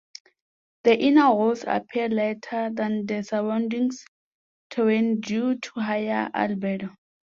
The inner walls appear lighter than the surrounding terrain due to higher albedo.